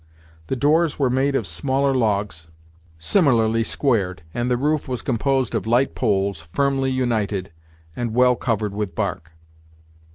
The doors were made of smaller logs, similarly squared, and the roof was composed of light poles, firmly united, and well covered with bark.